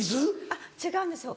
あっ違うんですよ